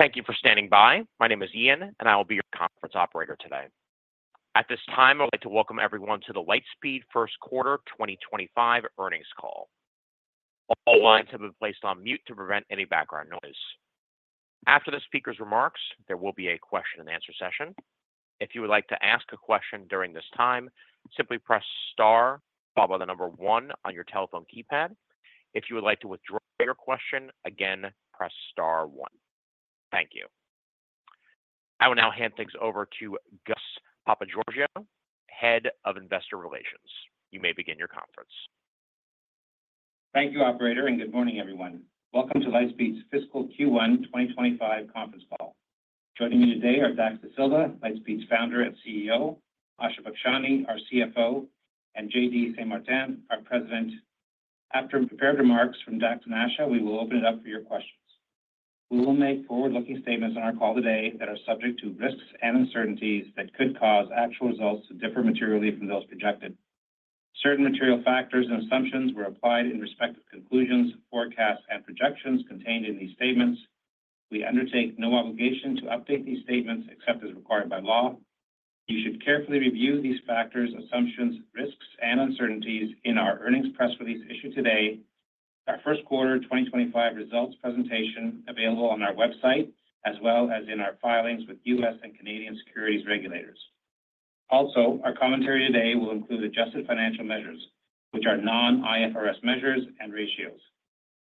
Thank you for standing by. My name is Ian, and I will be your conference operator today. At this time, I'd like to welcome everyone to the Lightspeed first quarter 2025 earnings call. All lines have been placed on mute to prevent any background noise. After the speaker's remarks, there will be a question and answer session. If you would like to ask a question during this time, simply press star followed by the number one on your telephone keypad. If you would like to withdraw your question again, press star one. Thank you. I will now hand things over to Gus Papageorgiou, Head of Investor Relations. You may begin your conference. Thank you, operator, and good morning, everyone. Welcome to Lightspeed's fiscal Q1 2025 conference call. Joining me today are Dax Dasilva, Lightspeed's Founder and CEO, Asha Bakshani, our CFO, and JD Saint-Martin, our President. After prepared remarks from Dax and Asha, we will open it up for your questions. We will make forward-looking statements on our call today that are subject to risks and uncertainties that could cause actual results to differ materially from those projected. Certain material factors and assumptions were applied in respect of conclusions, forecasts, and projections contained in these statements. We undertake no obligation to update these statements except as required by law. You should carefully review these factors, assumptions, risks, and uncertainties in our earnings press release issued today, our first quarter 2025 results presentation available on our website, as well as in our filings with U.S. and Canadian securities regulators. Also, our commentary today will include adjusted financial measures, which are non-IFRS measures and ratios.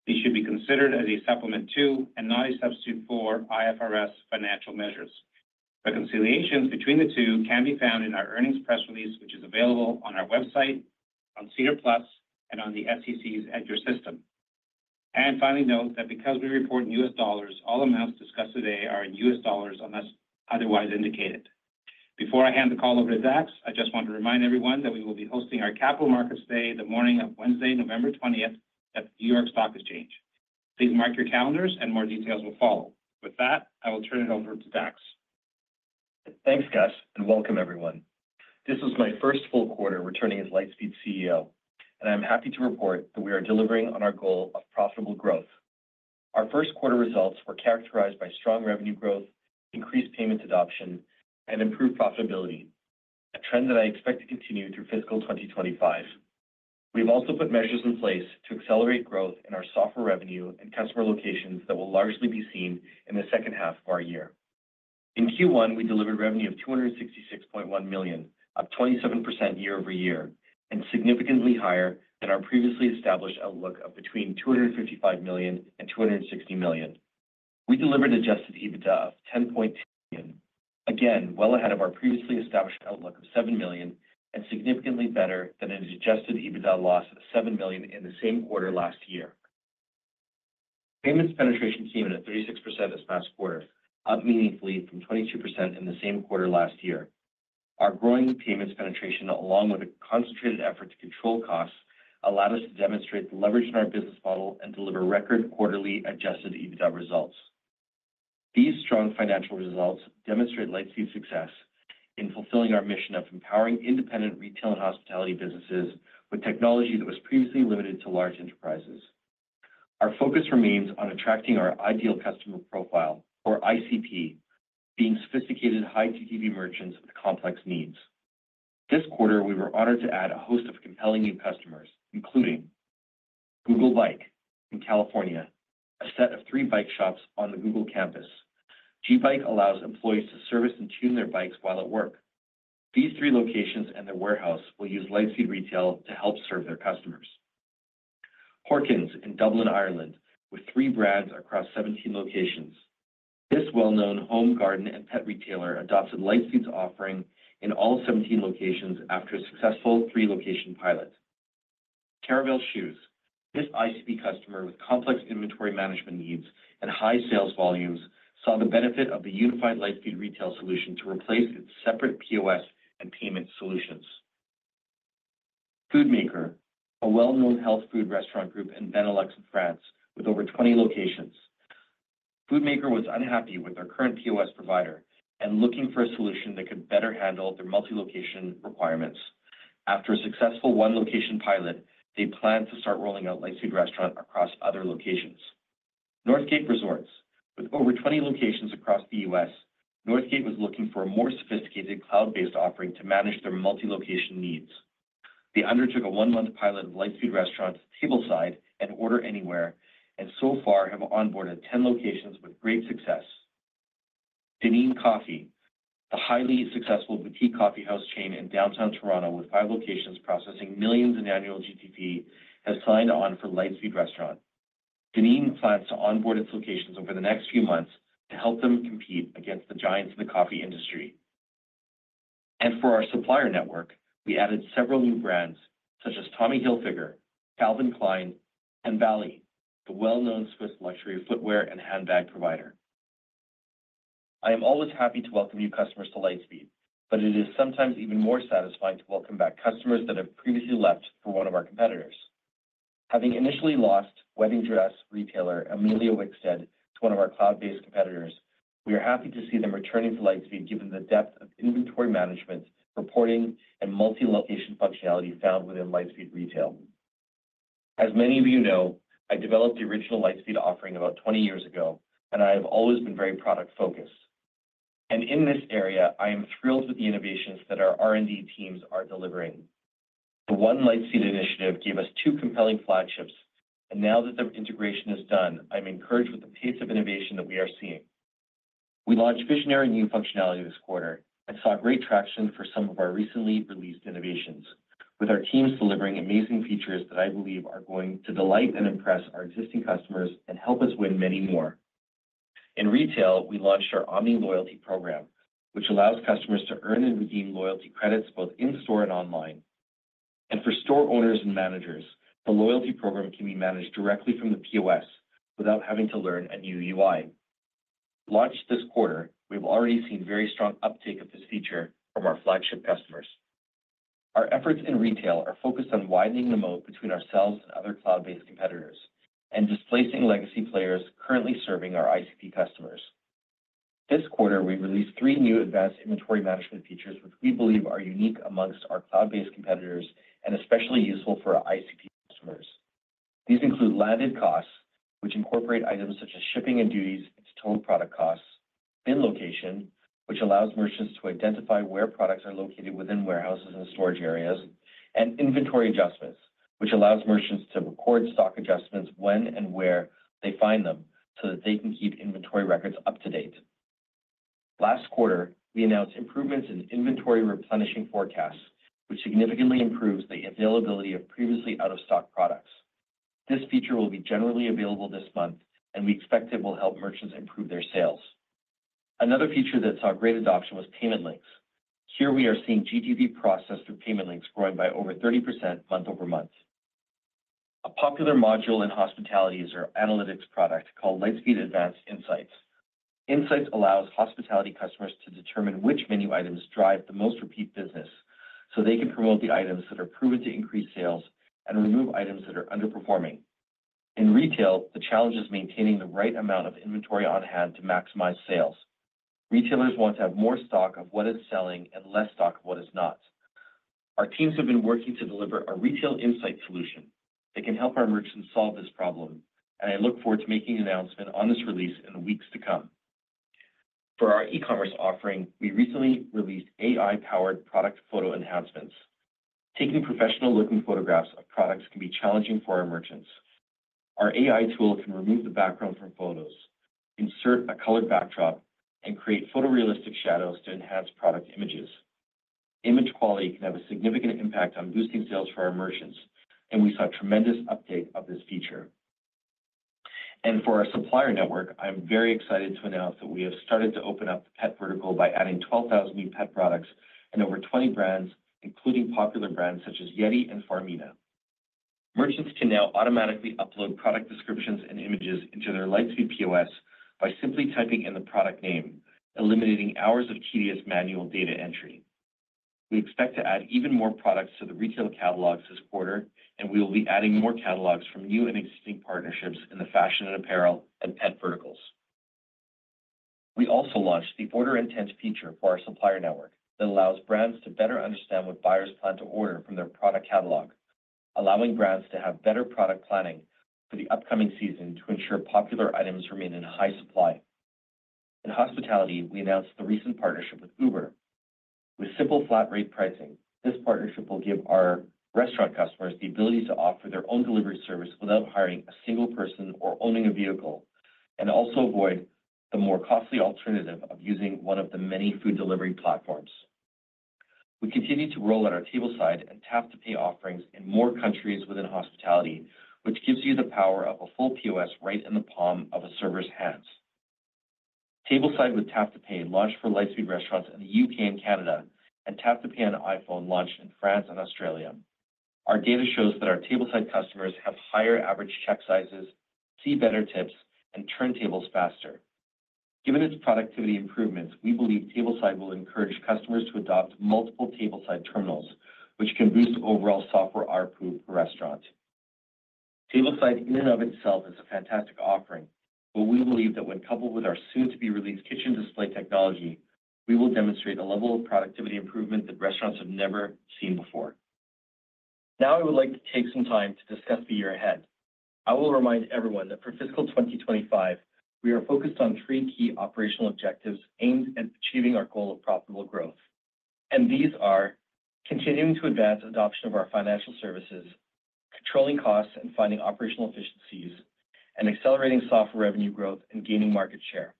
These should be considered as a supplement to and not a substitute for IFRS financial measures. Reconciliations between the two can be found in our earnings press release, which is available on our website, on SEDAR+, and on the SEC's EDGAR system. Finally, note that because we report in U.S. dollars, all amounts discussed today are in U.S. dollars, unless otherwise indicated. Before I hand the call over to Dax, I just want to remind everyone that we will be hosting our Capital Markets Day the morning of Wednesday, November 20th, at the New York Stock Exchange. Please mark your calendars, and more details will follow. With that, I will turn it over to Dax. Thanks, Gus, and welcome everyone. This is my first full quarter returning as Lightspeed CEO, and I'm happy to report that we are delivering on our goal of profitable growth. Our first quarter results were characterized by strong revenue growth, increased payments adoption, and improved profitability, a trend that I expect to continue through fiscal 2025. We've also put measures in place to accelerate growth in our software revenue and customer locations that will largely be seen in the second half of our year. In Q1, we delivered revenue of $266.1 million, up 27% year-over-year, and significantly higher than our previously established outlook of between $255 million and $260 million. We delivered adjusted EBITDA of $10.2 million. Again, well ahead of our previously established outlook of $7 million and significantly better than an adjusted EBITDA loss of $7 million in the same quarter last year. Payments penetration came in at 36% this past quarter, up meaningfully from 22% in the same quarter last year. Our growing payments penetration, along with a concentrated effort to control costs, allowed us to demonstrate the leverage in our business model and deliver record quarterly adjusted EBITDA results. These strong financial results demonstrate Lightspeed's success in fulfilling our mission of empowering independent retail and hospitality businesses with technology that was previously limited to large enterprises. Our focus remains on attracting our ideal customer profile, or ICP, being sophisticated, high GTV merchants with complex needs. This quarter, we were honored to add a host of compelling new customers, including Google Bike in California, a set of three bike shops on the Google campus. GBike allows employees to service and tune their bikes while at work. These three locations and their warehouse will use Lightspeed Retail to help serve their customers. Horkans in Dublin, Ireland, with three brands across 17 locations. This well-known home, garden, and pet retailer adopted Lightspeed's offering in all 17 locations after a successful three location pilot. Karavel Shoes. This ICP customer, with complex inventory management needs and high sales volumes, saw the benefit of the unified Lightspeed Retail solution to replace its separate POS and payment solutions. Foodmaker, a well-known health food restaurant group in Benelux and France, with over 20 locations. Foodmaker was unhappy with their current POS provider and looking for a solution that could better handle their multi-location requirements. After a successful one-location pilot, they plan to start rolling out Lightspeed Restaurant across other locations. Northgate Resorts, with over 20 locations across the U.S., Northgate was looking for a more sophisticated cloud-based offering to manage their multi-location needs. They undertook a one-month pilot of Lightspeed Restaurant Tableside and Order Anywhere, and so far have onboarded 10 locations with great success. Dineen Coffee, the highly successful boutique coffeehouse chain in Downtown Toronto with five locations processing millions in annual GTV, has signed on for Lightspeed Restaurant. Dineen plans to onboard its locations over the next few months to help them compete against the giants in the coffee industry. For our supplier network, we added several new brands such as Tommy Hilfiger, Calvin Klein, and Bally, the well-known Swiss luxury footwear and handbag provider. I am always happy to welcome new customers to Lightspeed, but it is sometimes even more satisfying to welcome back customers that have previously left for one of our competitors. Having initially lost wedding dress retailer, Emilia Wickstead, to one of our cloud-based competitors, we are happy to see them returning to Lightspeed, given the depth of inventory management, reporting, and multi-location functionality found within Lightspeed Retail. As many of you know, I developed the original Lightspeed offering about 20 years ago, and I have always been very product-focused. In this area, I am thrilled with the innovations that our R&D teams are delivering. The one Lightspeed initiative gave us two compelling flagships, and now that the integration is done, I'm encouraged with the pace of innovation that we are seeing. We launched visionary new functionality this quarter and saw great traction for some of our recently released innovations, with our teams delivering amazing features that I believe are going to delight and impress our existing customers and help us win many more. In retail, we launched our Omni Loyalty program, which allows customers to earn and redeem loyalty credits both in-store and online. And for store owners and managers, the loyalty program can be managed directly from the POS without having to learn a new UI. Launched this quarter, we've already seen very strong uptake of this feature from our flagship customers. Our efforts in retail are focused on widening the moat between ourselves and other cloud-based competitors, and displacing legacy players currently serving our ICP customers. This quarter, we released three new advanced inventory management features, which we believe are unique among our cloud-based competitors and especially useful for our ICP customers. These include landed costs, which incorporate items such as shipping and duties into total product costs, bin location, which allows merchants to identify where products are located within warehouses and storage areas, and inventory adjustments, which allows merchants to record stock adjustments when and where they find them, so that they can keep inventory records up to date. Last quarter, we announced improvements in inventory replenishing forecasts, which significantly improves the availability of previously out-of-stock products. This feature will be generally available this month, and we expect it will help merchants improve their sales. Another feature that saw great adoption was payment links. Here we are seeing GTV processed through payment links growing by over 30% month-over-month. A popular module in hospitality is our analytics product called Lightspeed Advanced Insights. Insights allows hospitality customers to determine which menu items drive the most repeat business, so they can promote the items that are proven to increase sales and remove items that are underperforming. In retail, the challenge is maintaining the right amount of inventory on hand to maximize sales. Retailers want to have more stock of what is selling and less stock of what is not. Our teams have been working to deliver a retail insight solution that can help our merchants solve this problem, and I look forward to making an announcement on this release in the weeks to come. For our e-commerce offering, we recently released AI-powered product photo enhancements. Taking professional-looking photographs of products can be challenging for our merchants. Our AI tool can remove the background from photos, insert a colored backdrop, and create photorealistic shadows to enhance product images. Image quality can have a significant impact on boosting sales for our merchants, and we saw tremendous uptake of this feature. For our supplier network, I'm very excited to announce that we have started to open up the pet vertical by adding 12,000 new pet products and over 20 brands, including popular brands such as Yeti and Farmina. Merchants can now automatically upload product descriptions and images into their Lightspeed POS by simply typing in the product name, eliminating hours of tedious manual data entry. We expect to add even more products to the retail catalogs this quarter, and we will be adding more catalogs from new and existing partnerships in the fashion and apparel and pet verticals. We also launched the order intent feature for our supplier network that allows brands to better understand what buyers plan to order from their product catalog, allowing brands to have better product planning for the upcoming season to ensure popular items remain in high supply. In hospitality, we announced the recent partnership with Uber. With simple flat rate pricing, this partnership will give our restaurant customers the ability to offer their own delivery service without hiring a single person or owning a vehicle, and also avoid the more costly alternative of using one of the many food delivery platforms. We continue to roll out our Tableside and Tap to Pay offerings in more countries within hospitality, which gives you the power of a full POS right in the palm of a server's hands. Tableside with Tap to Pay launched for Lightspeed restaurants in the U.K. and Canada, and Tap to Pay on iPhone launched in France and Australia. Our data shows that our Tableside customers have higher average check sizes, see better tips, and turn tables faster. Given its productivity improvements, we believe Tableside will encourage customers to adopt multiple Tableside terminals, which can boost overall software ARPU per restaurant. Tableside in and of itself is a fantastic offering, but we believe that when coupled with our soon-to-be-released kitchen display technology, we will demonstrate a level of productivity improvement that restaurants have never seen before. Now, I would like to take some time to discuss the year ahead. I will remind everyone that for fiscal 2025, we are focused on three key operational objectives aimed at achieving our goal of profitable growth. These are continuing to advance adoption of our financial services, controlling costs and finding operational efficiencies, and accelerating software revenue growth and gaining market share.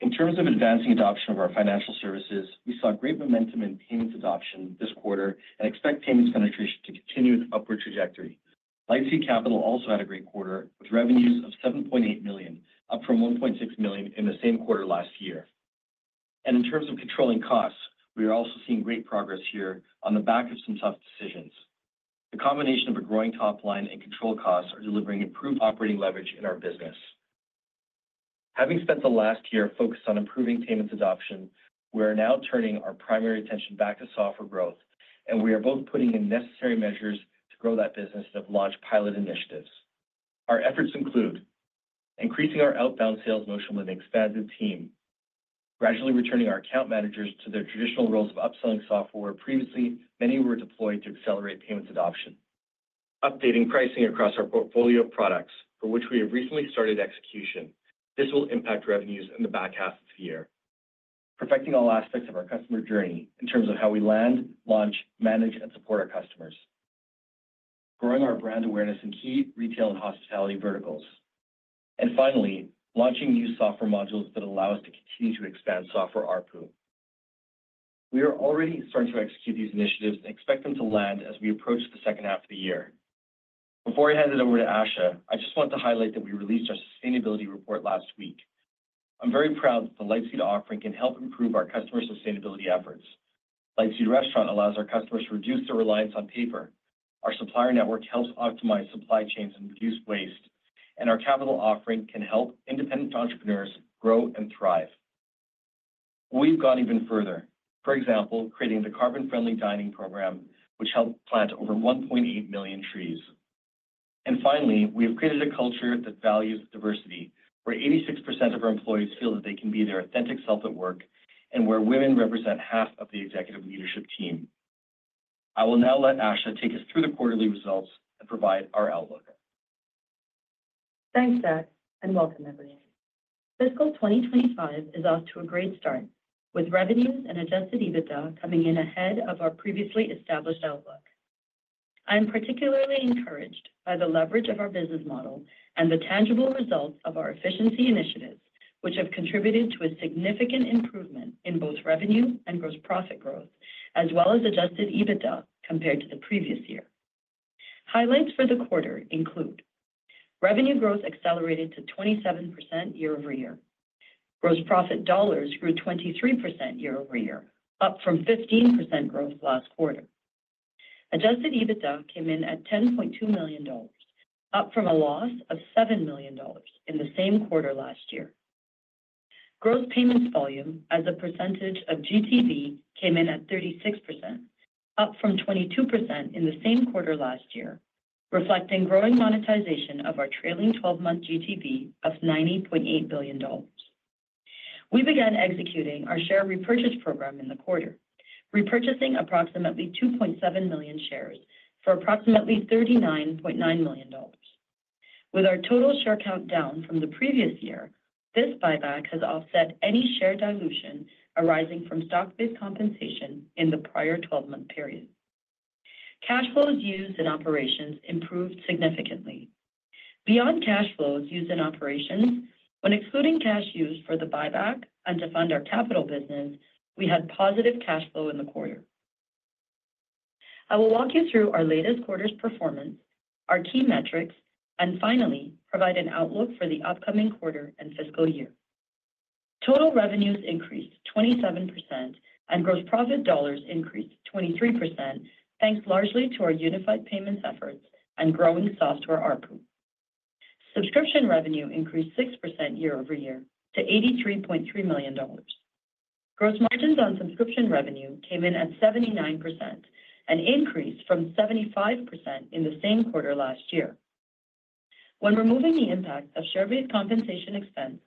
In terms of advancing adoption of our financial services, we saw great momentum in payments adoption this quarter and expect payments penetration to continue its upward trajectory. Lightspeed Capital also had a great quarter, with revenues of $7.8 million, up from $1.6 million in the same quarter last year. In terms of controlling costs, we are also seeing great progress here on the back of some tough decisions. The combination of a growing top line and controlled costs are delivering improved operating leverage in our business. Having spent the last year focused on improving payments adoption, we are now turning our primary attention back to software growth, and we are both putting in necessary measures to grow that business and have launched pilot initiatives. Our efforts include increasing our outbound sales motion with an expanded team, gradually returning our account managers to their traditional roles of upselling software. Previously, many were deployed to accelerate payments adoption. Updating pricing across our portfolio of products, for which we have recently started execution. This will impact revenues in the back half of the year. Perfecting all aspects of our customer journey in terms of how we land, launch, manage, and support our customers. Growing our brand awareness in key retail and hospitality verticals. And finally, launching new software modules that allow us to continue to expand software ARPU. We are already starting to execute these initiatives and expect them to land as we approach the second half of the year. Before I hand it over to Asha, I just want to highlight that we released our sustainability report last week. I'm very proud that the Lightspeed offering can help improve our customers' sustainability efforts. Lightspeed Restaurant allows our customers to reduce their reliance on paper. Our supplier network helps optimize supply chains and reduce waste, and our capital offering can help independent entrepreneurs grow and thrive. We've gone even further. For example, creating the Carbon Friendly Dining program, which helped plant over 1.8 million trees. And finally, we have created a culture that values diversity, where 86% of our employees feel that they can be their authentic self at work, and where women represent half of the executive leadership team. I will now let Asha take us through the quarterly results and provide our outlook. Thanks, Dax, and welcome, everybody. Fiscal 2025 is off to a great start, with revenues and adjusted EBITDA coming in ahead of our previously established outlook. I'm particularly encouraged by the leverage of our business model and the tangible results of our efficiency initiatives, which have contributed to a significant improvement in both revenue and gross profit growth, as well as adjusted EBITDA compared to the previous year. Highlights for the quarter include: Revenue growth accelerated to 27% year-over-year. Gross profit dollars grew 23% year-over-year, up from 15% growth last quarter. Adjusted EBITDA came in at $10.2 million, up from a loss of $7 million in the same quarter last year. Gross payments volume as a percentage of GTV came in at 36%, up from 22% in the same quarter last year, reflecting growing monetization of our trailing 12 month GTV of $90.8 billion. We began executing our share repurchase program in the quarter, repurchasing approximately 2.7 million shares for approximately $39.9 million. With our total share count down from the previous year, this buyback has offset any share dilution arising from stock-based compensation in the prior 12 month period. Cash flows used in operations improved significantly. Beyond cash flows used in operations, when excluding cash used for the buyback and to fund our capital business, we had positive cash flow in the quarter. I will walk you through our latest quarter's performance, our key metrics, and finally, provide an outlook for the upcoming quarter and fiscal year. Total revenues increased 27%, and gross profit dollars increased 23%, thanks largely to our Unified Payments efforts and growing software ARPU. Subscription revenue increased 6% year-over-year to $83.3 million. Gross margins on subscription revenue came in at 79%, an increase from 75% in the same quarter last year. When removing the impact of share-based compensation expense,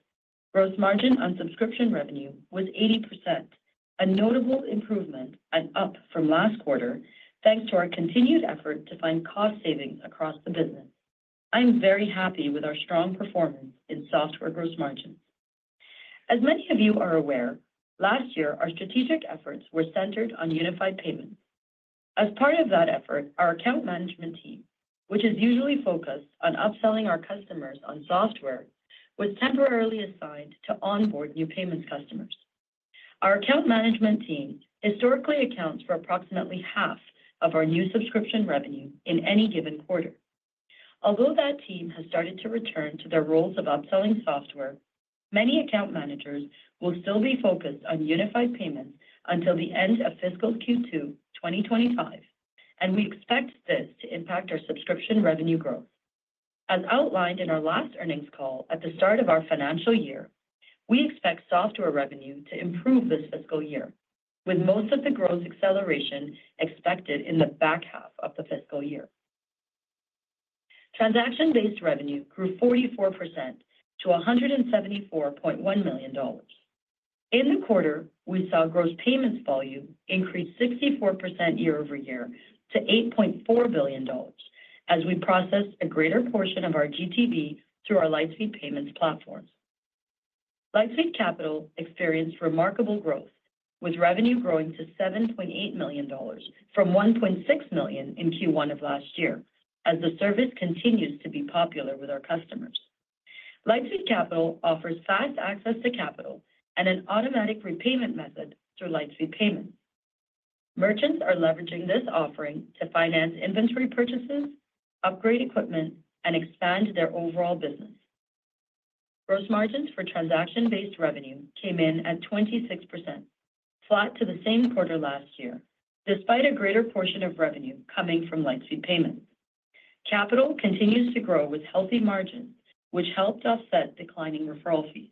gross margin on subscription revenue was 80%, a notable improvement and up from last quarter, thanks to our continued effort to find cost savings across the business. I'm very happy with our strong performance in software gross margins. As many of you are aware, last year our strategic efforts were centered on Unified Payments. As part of that effort, our account management team, which is usually focused on upselling our customers on software, was temporarily assigned to onboard new payments customers. Our account management team historically accounts for approximately half of our new subscription revenue in any given quarter. Although that team has started to return to their roles of upselling software, many account managers will still be focused on Unified Payments until the end of fiscal Q2 2025, and we expect this to impact our subscription revenue growth. As outlined in our last earnings call at the start of our financial year, we expect software revenue to improve this fiscal year, with most of the growth acceleration expected in the back half of the fiscal year. Transaction-based revenue grew 44% to $174.1 million. In the quarter, we saw gross payments volume increase 64% year-over-year to $8.4 billion as we processed a greater portion of our GTV through our Lightspeed Payments platforms. Lightspeed Capital experienced remarkable growth, with revenue growing to $7.8 million from $1.6 million in Q1 of last year, as the service continues to be popular with our customers. Lightspeed Capital offers fast access to capital and an automatic repayment method through Lightspeed Payments. Merchants are leveraging this offering to finance inventory purchases, upgrade equipment, and expand their overall business. Gross margins for transaction-based revenue came in at 26%, flat to the same quarter last year, despite a greater portion of revenue coming from Lightspeed Payments. Capital continues to grow with healthy margins, which helped offset declining referral fees.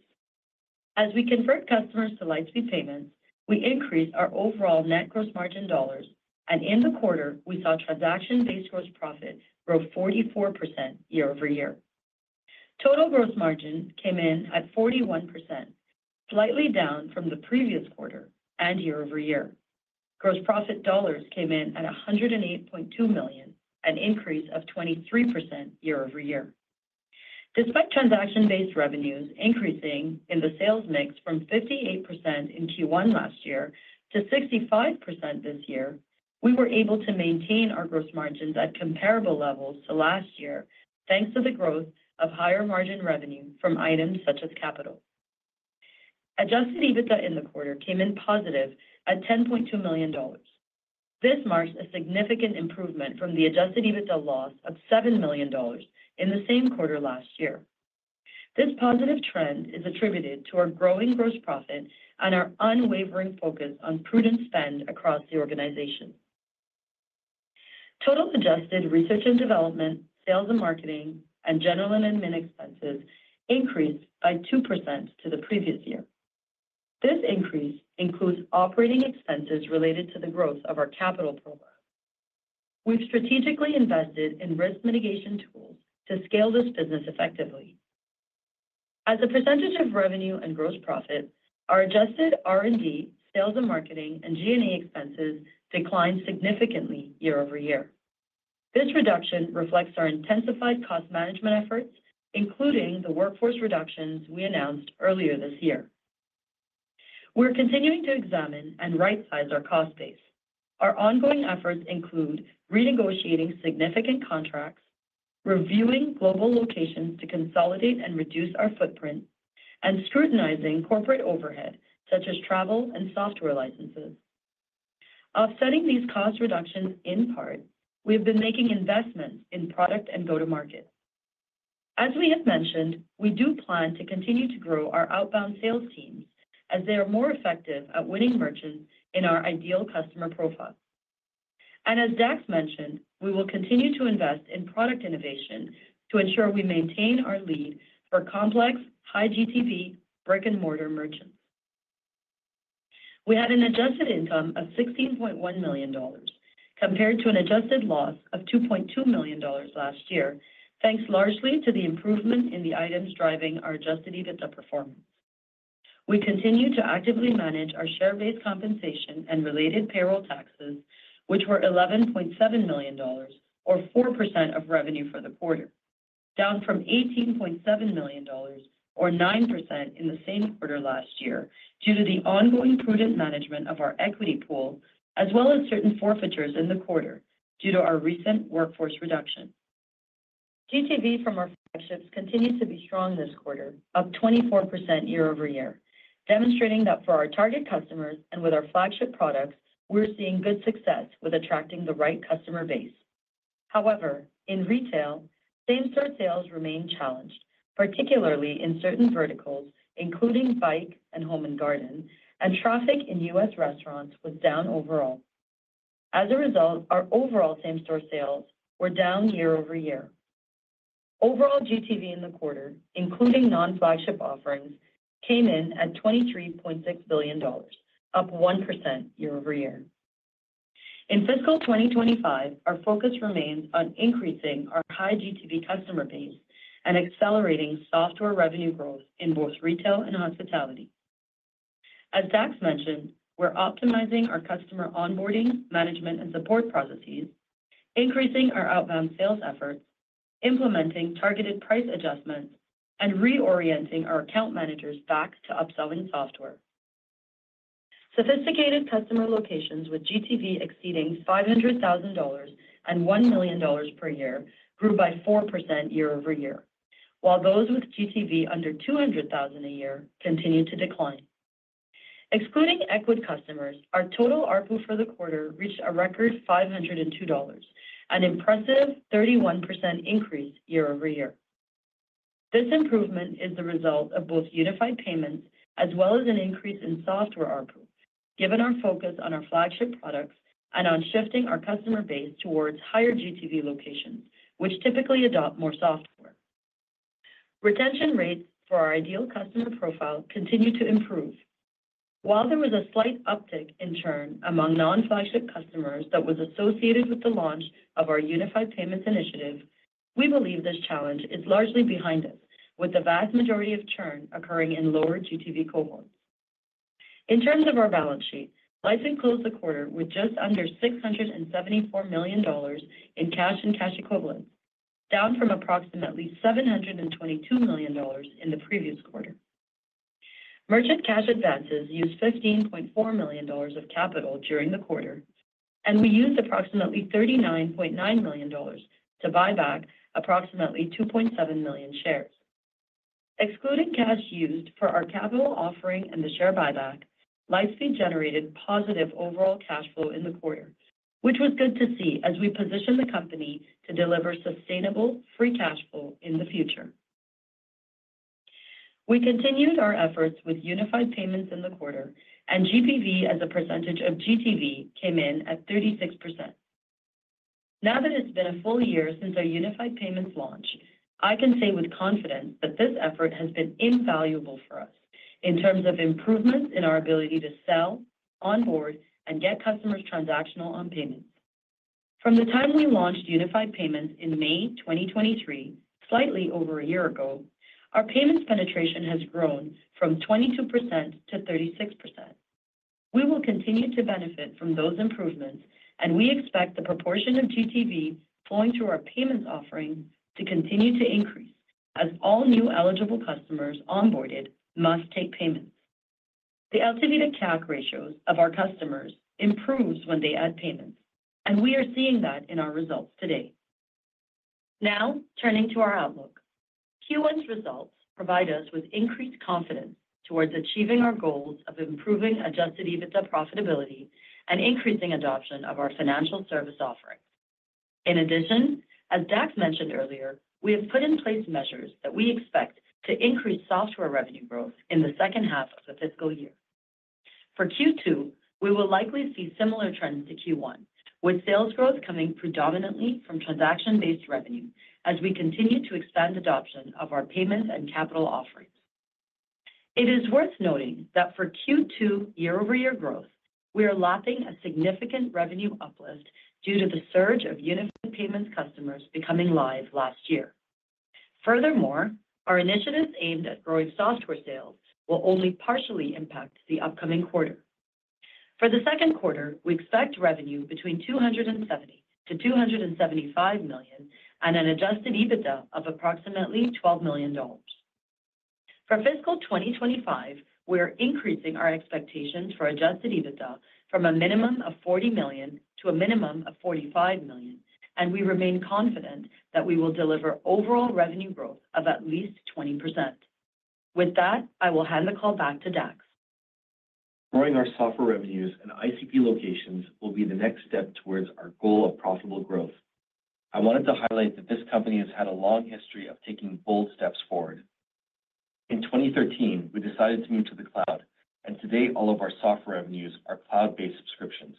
As we convert customers to Lightspeed Payments, we increase our overall net gross margin dollars, and in the quarter, we saw transaction-based gross profit grow 44% year-over-year. Total gross margin came in at 41%, slightly down from the previous quarter and year-over-year. Gross profit dollars came in at $108.2 million, an increase of 23% year-over-year. Despite transaction-based revenues increasing in the sales mix from 58% in Q1 last year to 65% this year, we were able to maintain our gross margins at comparable levels to last year, thanks to the growth of higher-margin revenue from items such as capital. Adjusted EBITDA in the quarter came in positive at $10.2 million. This marks a significant improvement from the adjusted EBITDA loss of $7 million in the same quarter last year. This positive trend is attributed to our growing gross profit and our unwavering focus on prudent spend across the organization. Total adjusted research and development, sales and marketing, and general and admin expenses increased by 2% to the previous year. This increase includes operating expenses related to the growth of our capital program. We've strategically invested in risk mitigation tools to scale this business effectively. As a percentage of revenue and gross profit, our adjusted R&D, sales and marketing, and G&A expenses declined significantly year-over-year. This reduction reflects our intensified cost management efforts, including the workforce reductions we announced earlier this year. We're continuing to examine and rightsize our cost base. Our ongoing efforts include renegotiating significant contracts, reviewing global locations to consolidate and reduce our footprint, and scrutinizing corporate overhead, such as travel and software licenses. Offsetting these cost reductions, in part, we've been making investments in product and go-to-market. As we have mentioned, we do plan to continue to grow our outbound sales teams as they are more effective at winning merchants in our ideal customer profile. And as Dax mentioned, we will continue to invest in product innovation to ensure we maintain our lead for complex, high GTV, brick-and-mortar merchants. We had an adjusted income of $16.1 million, compared to an adjusted loss of $2.2 million last year, thanks largely to the improvement in the items driving our adjusted EBITDA performance. We continue to actively manage our share-based compensation and related payroll taxes, which were $11.7 million or 4% of revenue for the quarter, down from $18.7 million or 9% in the same quarter last year, due to the ongoing prudent management of our equity pool, as well as certain forfeitures in the quarter due to our recent workforce reduction. GTV from our flagships continued to be strong this quarter, up 24% year-over-year, demonstrating that for our target customers and with our flagship products, we're seeing good success with attracting the right customer base. However, in retail, same-store sales remain challenged, particularly in certain verticals, including bike and home and garden, and traffic in U.S. restaurants was down overall. As a result, our overall same-store sales were down year-over-year. Overall, GTV in the quarter, including non-flagship offerings, came in at $23.6 billion, up 1% year-over-year. In fiscal 2025, our focus remains on increasing our high GTV customer base and accelerating software revenue growth in both retail and hospitality. As Dax mentioned, we're optimizing our customer onboarding, management, and support processes, increasing our outbound sales efforts, implementing targeted price adjustments, and reorienting our account managers back to upselling software. Sophisticated customer locations with GTV exceeding $500,000 and $1 million per year grew by 4% year-over-year, while those with GTV under $200,000 a year continued to decline. Excluding Ecwid customers, our total ARPU for the quarter reached a record $502, an impressive 31% increase year-over-year. This improvement is the result of both Unified Payments as well as an increase in software ARPU, given our focus on our flagship products and on shifting our customer base towards higher GTV locations, which typically adopt more software. Retention rates for our ideal customer profile continue to improve. While there was a slight uptick in churn among non-flagship customers that was associated with the launch of our Unified Payments initiative, we believe this challenge is largely behind us, with the vast majority of churn occurring in lower GTV cohorts. In terms of our balance sheet, Lightspeed closed the quarter with just under $674 million in cash and cash equivalents, down from approximately $722 million in the previous quarter. Merchant cash advances used $15.4 million of capital during the quarter, and we used approximately $39.9 million to buy back approximately 2.7 million shares. Excluding cash used for our capital offering and the share buyback, Lightspeed generated positive overall cash flow in the quarter, which was good to see as we position the company to deliver sustainable free cash flow in the future. We continued our efforts with Unified Payments in the quarter, and GPV as a percentage of GTV came in at 36%. Now that it's been a full year since our Unified Payments launch, I can say with confidence that this effort has been invaluable for us in terms of improvements in our ability to sell, onboard, and get customers transactional on payments. From the time we launched Unified Payments in May 2023, slightly over a year ago, our payments penetration has grown from 22% to 36%. We will continue to benefit from those improvements, and we expect the proportion of GTV flowing through our payments offering to continue to increase as all new eligible customers onboarded must take payments. The LTV to CAC ratios of our customers improves when they add payments, and we are seeing that in our results today. Now, turning to our outlook. Q1's results provide us with increased confidence towards achieving our goals of improving adjusted EBITDA profitability and increasing adoption of our financial service offering. In addition, as Dax mentioned earlier, we have put in place measures that we expect to increase software revenue growth in the second half of the fiscal year. For Q2, we will likely see similar trends to Q1, with sales growth coming predominantly from transaction-based revenue as we continue to expand adoption of our payments and capital offerings. It is worth noting that for Q2 year-over-year growth, we are lapping a significant revenue uplift due to the surge of Unified Payments customers becoming live last year. Furthermore, our initiatives aimed at growing software sales will only partially impact the upcoming quarter. For the second quarter, we expect revenue between $270 million-$275 million, and an adjusted EBITDA of approximately $12 million. For fiscal 2025, we are increasing our expectations for adjusted EBITDA from a minimum of $40 million to a minimum of $45 million, and we remain confident that we will deliver overall revenue growth of at least 20%. With that, I will hand the call back to Dax. Growing our software revenues and ICP locations will be the next step towards our goal of profitable growth. I wanted to highlight that this company has had a long history of taking bold steps forward. In 2013, we decided to move to the cloud, and today, all of our software revenues are cloud-based subscriptions.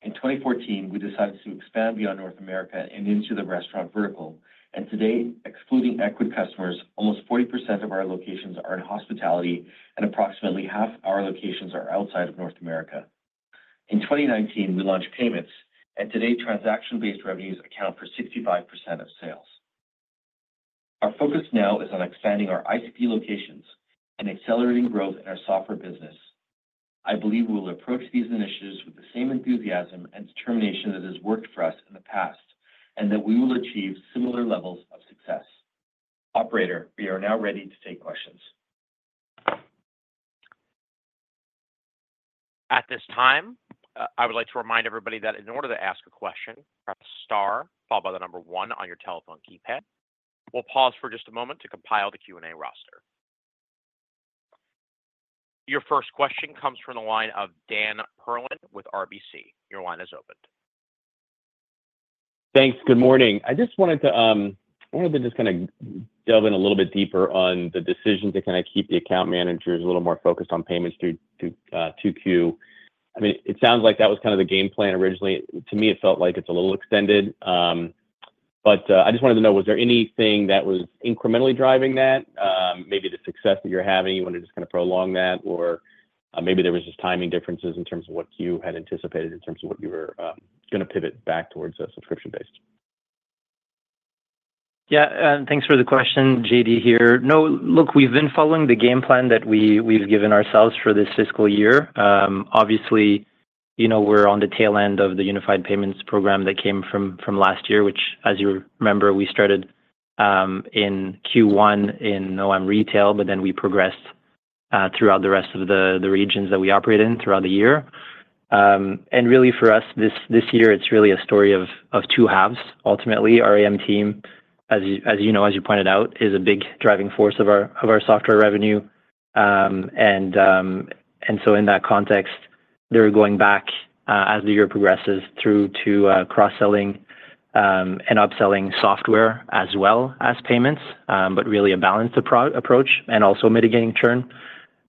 In 2014, we decided to expand beyond North America and into the restaurant vertical, and today, excluding Ecwid customers, almost 40% of our locations are in hospitality, and approximately half of our locations are outside of North America. In 2019, we launched payments, and today, transaction-based revenues account for 65% of sales. Our focus now is on expanding our ICP locations and accelerating growth in our software business. I believe we will approach these initiatives with the same enthusiasm and determination that has worked for us in the past, and that we will achieve similar levels of success. Operator, we are now ready to take questions. At this time, I would like to remind everybody that in order to ask a question, press star followed by the number 1 on your telephone keypad. We'll pause for just a moment to compile the Q&A roster. Your first question comes from the line of Dan Perlin with RBC. Your line is open. Thanks. Good morning. I just wanted to, I wanted to just kinda delve in a little bit deeper on the decision to kinda keep the account managers a little more focused on payments through to 2Q. I mean, it sounds like that was kind of the game plan originally. To me, it felt like it's a little extended, but I just wanted to know, was there anything that was incrementally driving that? Maybe the success that you're having, you want to just kinda prolong that, or maybe there was just timing differences in terms of what you had anticipated in terms of what you were gonna pivot back towards a subscription-based? Yeah, and thanks for the question, JD here. No, look, we've been following the game plan that we've given ourselves for this fiscal year. Obviously, you know, we're on the tail end of the Unified Payments program that came from last year, which, as you remember, we started in Q1 in our retail, but then we progressed throughout the rest of the regions that we operate in throughout the year. And really for us, this year, it's really a story of two 1/2. Ultimately, our AM team, as you know, as you pointed out, is a big driving force of our software revenue. And so in that context, they're going back, as the year progresses through to, cross-selling, and upselling software as well as payments, but really a balanced approach and also mitigating churn.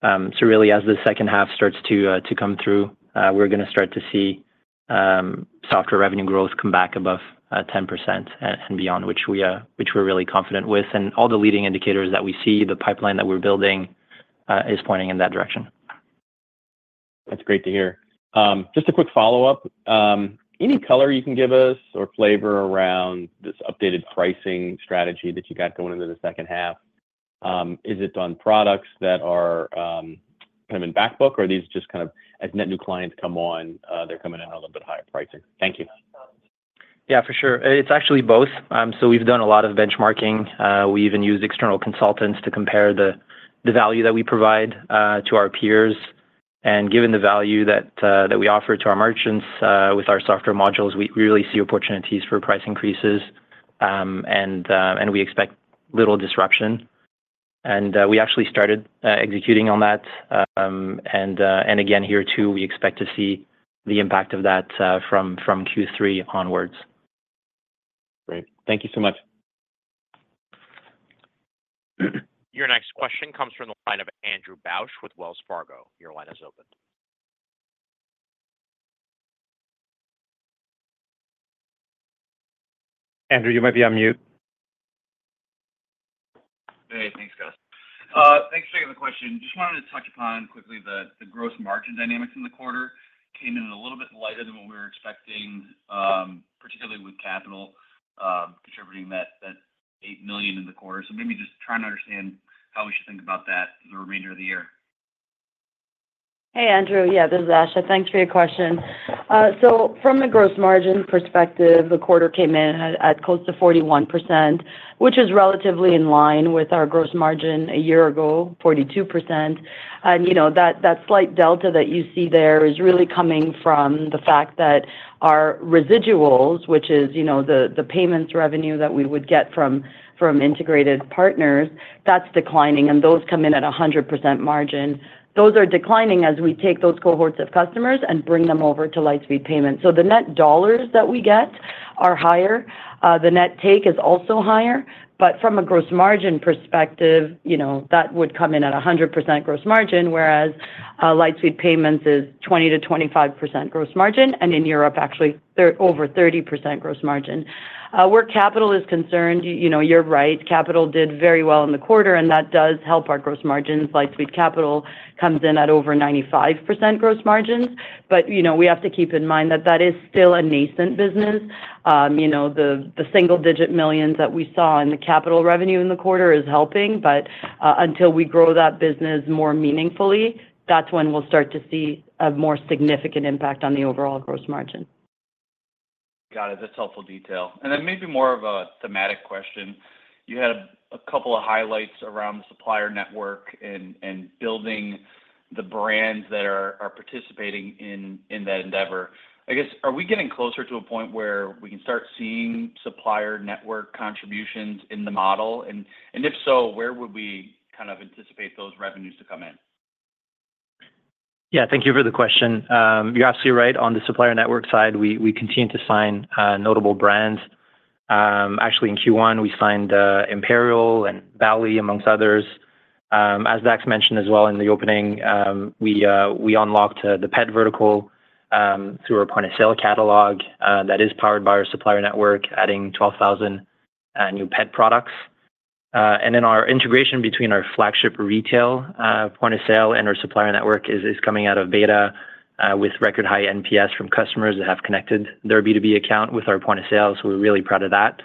So really, as the second half starts to come through, we're gonna start to see, software revenue growth come back above 10% and beyond which we're really confident with. And all the leading indicators that we see, the pipeline that we're building, is pointing in that direction. That's great to hear. Just a quick follow-up. Any color you can give us or flavor around this updated pricing strategy that you got going into the second half? Is it on products that are, kind of in backbook, or are these just kind of as net new clients come on, they're coming in at a little bit higher pricing? Thank you. Yeah, for sure. It's actually both. So we've done a lot of benchmarking. We even used external consultants to compare the value that we provide to our peers. And given the value that we offer to our merchants with our software modules, we really see opportunities for price increases, and we expect little disruption. We actually started executing on that. And again, here too, we expect to see the impact of that from Q3 onwards. Great. Thank you so much. Your next question comes from the line of Andrew Bauch with Wells Fargo. Your line is open. Andrew, you might be on mute. Just wanted to touch upon quickly the gross margin dynamics in the quarter came in a little bit lighter than what we were expecting, particularly with Capital contributing that $8 million in the quarter. So maybe just trying to understand how we should think about that for the remainder of the year? Hey, Andrew. Yeah, this is Asha. Thanks for your question. So from the gross margin perspective, the quarter came in at close to 41%, which is relatively in line with our gross margin a year ago, 42%. And, you know, that slight delta that you see there is really coming from the fact that our residuals, which is, you know, the payments revenue that we would get from integrated partners, that's declining, and those come in at a 100% margin. Those are declining as we take those cohorts of customers and bring them over to Lightspeed Payments. So the net dollars that we get are higher, the net take is also higher, but from a gross margin perspective, you know, that would come in at 100% gross margin, whereas, Lightspeed Payments is 20%-25% gross margin, and in Europe, actually, they're over 30% gross margin. Where capital is concerned, you know, you're right, Capital did very well in the quarter, and that does help our gross margins. Lightspeed Capital comes in at over 95% gross margins, but, you know, we have to keep in mind that that is still a nascent business. You know, the single-digit millions that we saw in the capital revenue in the quarter is helping, but, until we grow that business more meaningfully, that's when we'll start to see a more significant impact on the overall gross margin. Got it. That's helpful detail. And then maybe more of a thematic question. You had a couple of highlights around the supplier network and building the brands that are participating in that endeavor. I guess, are we getting closer to a point where we can start seeing supplier network contributions in the model? And if so, where would we kind of anticipate those revenues to come in? Yeah, thank you for the question. You're absolutely right. On the supplier network side, we continue to sign notable brands. Actually, in Q1, we signed Imperial and Bally, among others. As Dax mentioned as well in the opening, we unlocked the pet vertical through our point-of-sale catalog that is powered by our supplier network, adding 12,000 new pet products. And then our integration between our flagship retail point-of-sale and our supplier network is coming out of beta with record high NPS from customers that have connected their B2B account with our point-of-sale. So we're really proud of that.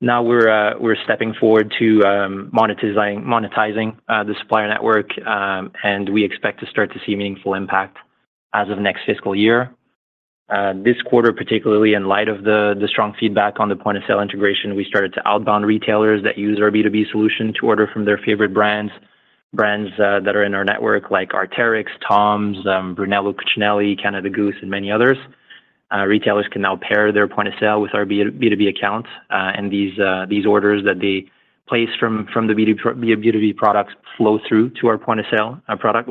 Now we're stepping forward to monetizing the supplier network, and we expect to start to see meaningful impact as of next fiscal year. This quarter, particularly in light of the strong feedback on the point-of-sale integration, we started to outbound retailers that use our B2B solution to order from their favorite brands that are in our network, like Arc'teryx, TOMS, Brunello Cucinelli, Canada Goose, and many others. Retailers can now pair their point of sale with our B2B account, and these orders that they place from the B2B products flow through to our point-of-sale product,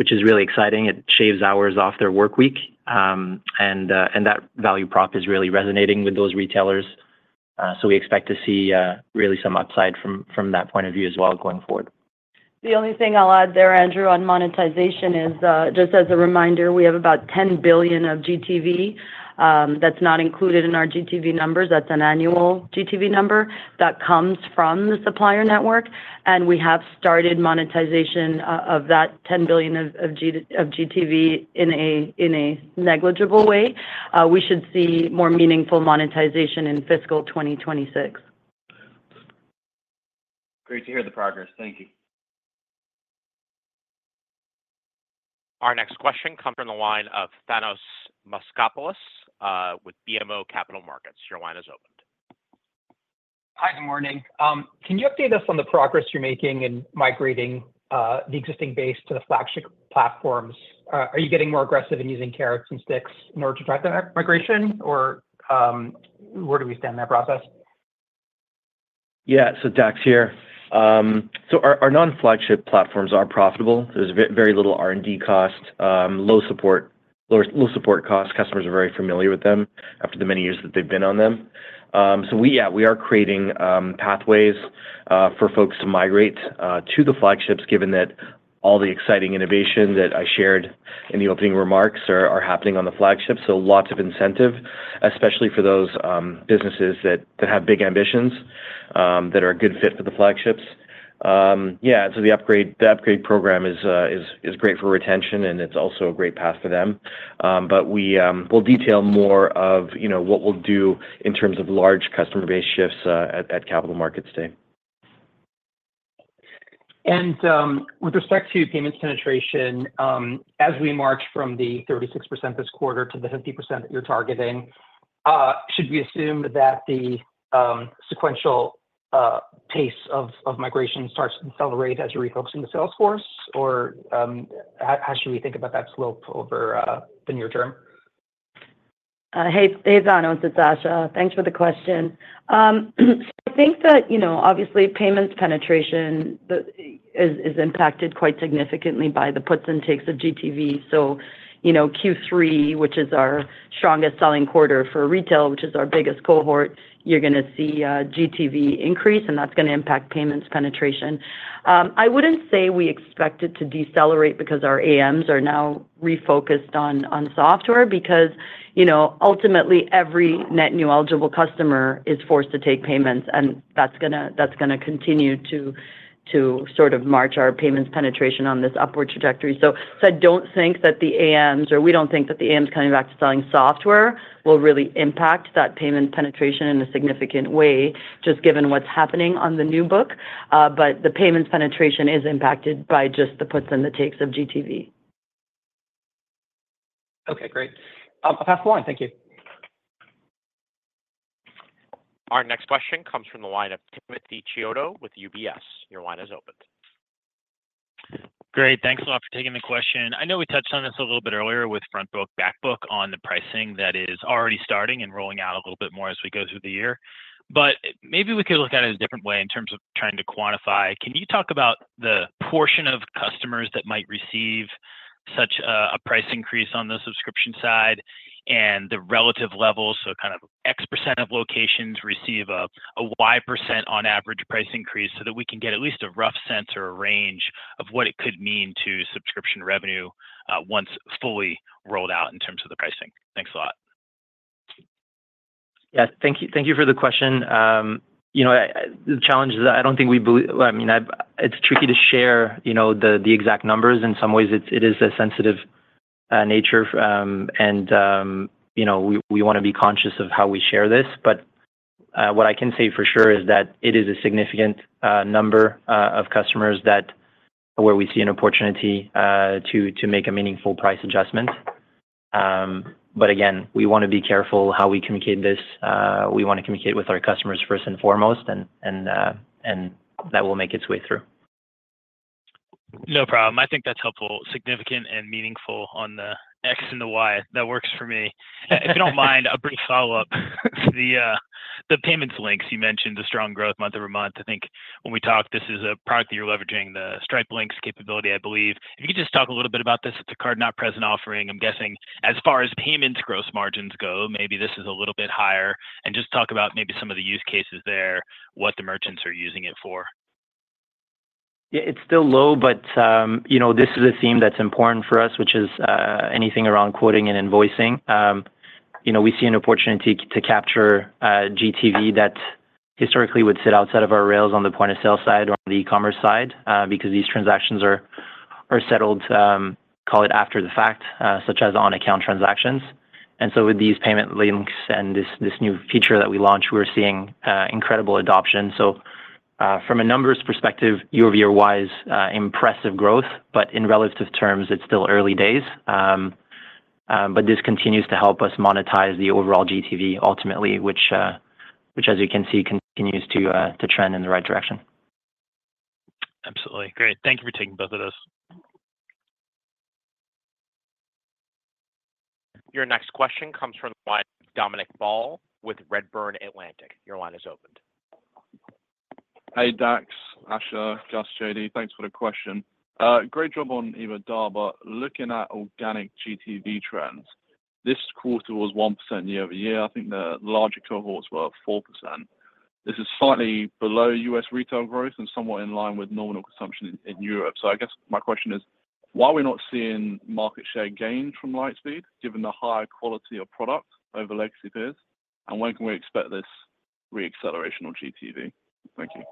which is really exciting. It shaves hours off their work week, and that value prop is really resonating with those retailers. So we expect to see really some upside from that point of view as well going forward. The only thing I'll add there, Andrew, on monetization is, just as a reminder, we have about $10 billion of GTV, that's not included in our GTV numbers. That's an annual GTV number that comes from the supplier network, and we have started monetization of that $10 billion of GTV in a negligible way. We should see more meaningful monetization in fiscal 2026. Great to hear the progress. Thank you. Our next question comes from the line of Thanos Moschopoulos, with BMO Capital Markets. Your line is opened. Hi, good morning. Can you update us on the progress you're making in migrating the existing base to the flagship platforms? Are you getting more aggressive in using carrots and sticks in order to drive the migration? Or, where do we stand in that process? Yeah. So Dax here. So our non-flagship platforms are profitable. There's very little R&D cost, low support, low support cost. Customers are very familiar with them after the many years that they've been on them. So we are creating pathways for folks to migrate to the flagships, given that all the exciting innovation that I shared in the opening remarks are happening on the flagship. So lots of incentive, especially for those businesses that have big ambitions that are a good fit for the flagships. So the upgrade program is great for retention, and it's also a great path for them. But we will detail more of you know what we'll do in terms of large customer base shifts at Capital Markets Day. With respect to payments penetration, as we march from the 36% this quarter to the 50% that you're targeting, should we assume that the sequential pace of migration starts to accelerate as you're refocusing the sales force? Or, how should we think about that slope over the near term? Hey, Thanos, it's Asha. Thanks for the question. So I think that, you know, obviously, payments penetration is impacted quite significantly by the puts and takes of GTV. So, you know, Q3, which is our strongest selling quarter for retail, which is our biggest cohort, you're gonna see GTV increase, and that's gonna impact payments penetration. I wouldn't say we expect it to decelerate because our AMs are now refocused on software, because, you know, ultimately, every net new eligible customer is forced to take payments, and that's gonna continue to sort of march our payments penetration on this upward trajectory. So I don't think that the AMs, or we don't think that the AMs coming back to selling software will really impact that payment penetration in a significant way, just given what's happening on the new book. But the payments penetration is impacted by just the puts and the takes of GTV. Okay, great. I'll pass on. Thank you. Our next question comes from the line of Timothy Chiodo with UBS. Your line is open. Great. Thanks a lot for taking the question. I know we touched on this a little bit earlier with front book, back book on the pricing that is already starting and rolling out a little bit more as we go through the year. But maybe we could look at it a different way in terms of trying to quantify. Can you talk about the portion of customers that might receive such a price increase on the subscription side and the relative levels, so kind of X percent of locations receive a Y percent on average price increase, so that we can get at least a rough sense or a range of what it could mean to subscription revenue, once fully rolled out in terms of the pricing? Thanks a lot. Yeah, thank you, thank you for the question. You know, the challenge is, I don't think we believe—I mean, it's tricky to share, you know, the exact numbers. In some ways, it's, it is a sensitive nature, and you know, we, we wanna be conscious of how we share this. But what I can say for sure is that it is a significant number of customers that where we see an opportunity to make a meaningful price adjustment. But again, we wanna be careful how we communicate this. We wanna communicate with our customers first and foremost, and, and, and that will make its way through. No problem. I think that's helpful, significant and meaningful on the X and the Y. That works for me. If you don't mind, a brief follow-up. The payment links, you mentioned the strong growth month-over-month. I think when we talked, this is a product that you're leveraging, the Stripe links capability, I believe. If you could just talk a little bit about this, it's a card not present offering. I'm guessing as far as payments gross margins go, maybe this is a little bit higher. And just talk about maybe some of the use cases there, what the merchants are using it for. Yeah, it's still low, but, you know, this is a theme that's important for us, which is, anything around quoting and invoicing. You know, we see an opportunity to, to capture, GTV that historically would sit outside of our rails on the point of sale side or the e-commerce side, because these transactions are, are settled, call it after the fact, such as on-account transactions. And so with these payment links and this, this new feature that we launched, we're seeing, incredible adoption. So, from a numbers perspective, year-over-year wise, impressive growth, but in relative terms, it's still early days. But this continues to help us monetize the overall GTV ultimately, which, which as you can see, continues to, to trend in the right direction. Absolutely. Great. Thank you for taking both of those. Your next question comes from the line, Dominic Ball with Redburn Atlantic. Your line is opened. Hey, Dax, Asha, Gus, JD. Thanks for the question. Great job on EBITDA. But looking at organic GTV trends, this quarter was 1% year-over-year. I think the larger cohorts were 4%. This is slightly below U.S. retail growth and somewhat in line with nominal consumption in Europe. So I guess my question is, why are we not seeing market share gain from Lightspeed, given the higher quality of product over legacy peers? And when can we expect this re-acceleration on GTV? Thank you.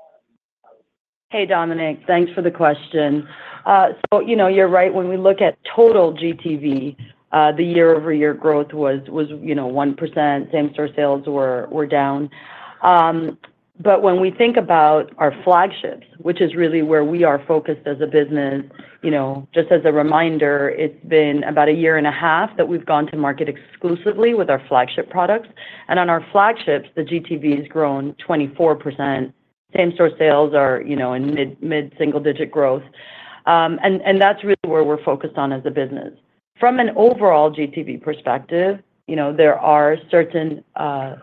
Hey, Dominic, thanks for the question. So, you know, you're right. When we look at total GTV, the year-over-year growth was, you know, 1%, same store sales were down. But when we think about our flagships, which is really where we are focused as a business, you know, just as a reminder, it's been about a year and a half that we've gone to market exclusively with our flagship products. And on our flagships, the GTV has grown 24%. Same store sales are, you know, in mid, mid-single digit growth. And that's really where we're focused on as a business. From an overall GTV perspective, you know, there are certain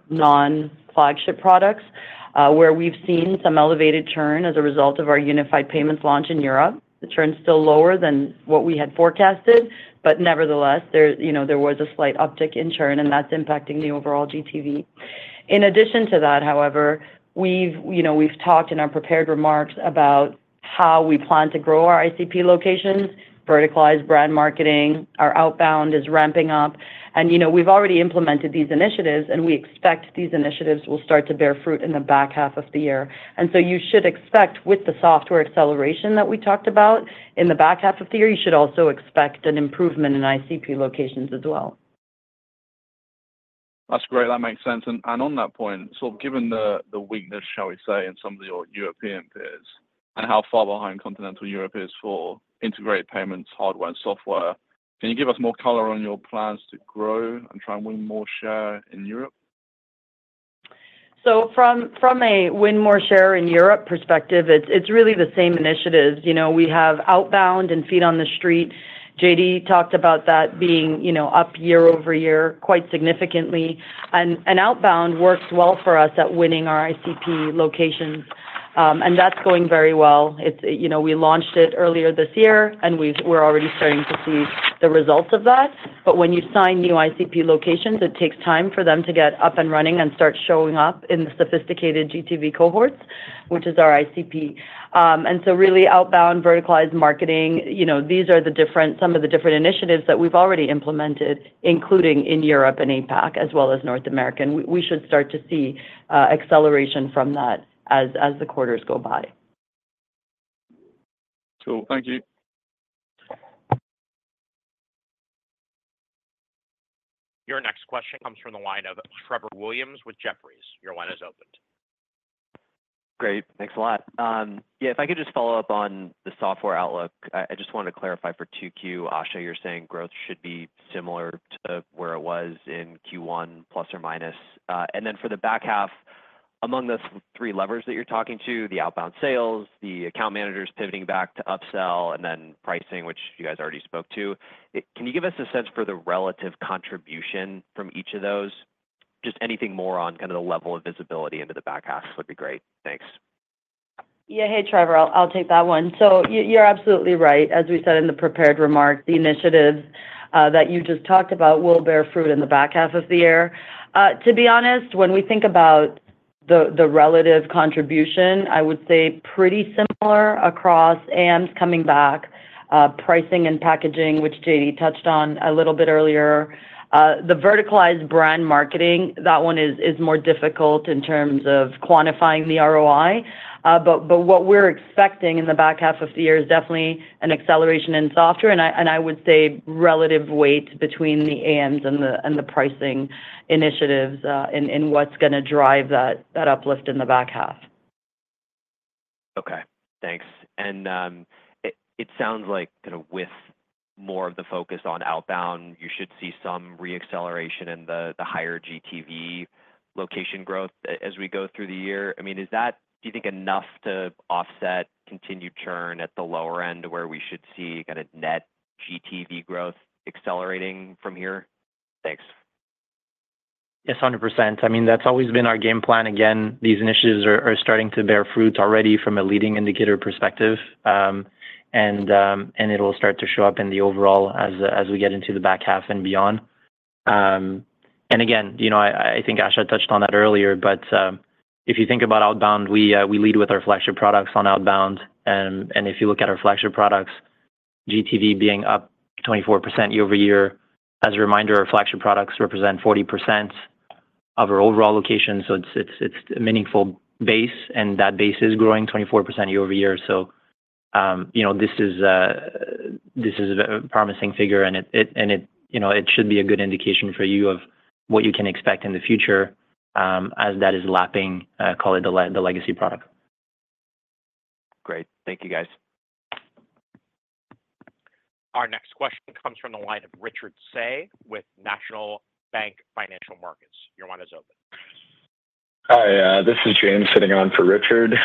non-flagship products where we've seen some elevated churn as a result of our Unified Payments launch in Europe. The churn is still lower than what we had forecasted, but nevertheless, there, you know, there was a slight uptick in churn, and that's impacting the overall GTV. In addition to that, however, we've, you know, we've talked in our prepared remarks about how we plan to grow our ICP locations, verticalize brand marketing, our outbound is ramping up. And, you know, we've already implemented these initiatives, and we expect these initiatives will start to bear fruit in the back half of the year. And so you should expect with the software acceleration that we talked about in the back half of the year, you should also expect an improvement in ICP locations as well. That's great. That makes sense. And on that point, sort of given the weakness, shall we say, in some of your European peers and how far behind Continental Europe is for integrated payments, hardware, and software, can you give us more color on your plans to grow and try and win more share in Europe? So from a win more share in Europe perspective, it's really the same initiatives. You know, we have outbound and feet on the street. JD talked about that being, you know, up year-over-year, quite significantly, and outbound works well for us at winning our ICP locations, and that's going very well. It's, you know, we launched it earlier this year, and we're already starting to see the results of that. But when you sign new ICP locations, it takes time for them to get up and running and start showing up in the sophisticated GTV cohorts, which is our ICP. And so really, outbound verticalized marketing, you know, these are the different, some of the different initiatives that we've already implemented, including in Europe and APAC, as well as North America. We should start to see acceleration from that as the quarters go by. Cool. Thank you. Your next question comes from the line of Trevor Williams with Jefferies. Your line is opened. Great. Thanks a lot. Yeah, if I could just follow up on the software outlook. I just wanted to clarify for Q2, Asha, you're saying growth should be similar to where it was in Q1, plus or minus? And then for the back half, among the three levers that you're talking to, the outbound sales, the account managers pivoting back to upsell, and then pricing, which you guys already spoke to, can you give us a sense for the relative contribution from each of those? Just anything more on kind of the level of visibility into the back half would be great. Thanks. Yeah. Hey, Trevor, I'll take that one. So you, you're absolutely right. As we said in the prepared remarks, the initiatives that you just talked about will bear fruit in the back half of the year. To be honest, when we think about the relative contribution, I would say pretty similar across AMs coming back, pricing and packaging, which JD touched on a little bit earlier. The verticalized brand marketing, that one is more difficult in terms of quantifying the ROI. But what we're expecting in the back half of the year is definitely an acceleration in software, and I would say relative weight between the AMs and the pricing initiatives, in what's gonna drive that uplift in the back half. Okay, thanks. And it sounds like kind of with more of the focus on outbound, you should see some reacceleration in the higher GTV location growth as we go through the year. I mean, is that, do you think, enough to offset continued churn at the lower end, where we should see kind of net GTV growth accelerating from here? Thanks. Yes, 100%. I mean, that's always been our game plan. Again, these initiatives are starting to bear fruit already from a leading indicator perspective, and it'll start to show up in the overall as we get into the back half and beyond. And again, you know, I think Asha touched on that earlier, but if you think about outbound, we lead with our flagship products on outbound. And if you look at our flagship products, GTV being up 24% year-over-year. As a reminder, our flagship products represent 40% of our overall location, so it's a meaningful base, and that base is growing 24% year-over-year. So, you know, this is. This is a promising figure, and it, you know, it should be a good indication for you of what you can expect in the future, as that is lapping, call it the legacy product. Great. Thank you, guys. Our next question comes from the line of Richard Tse with National Bank Financial Markets. Your line is open. Hi, this is James sitting on for Richard.